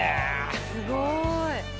すごい。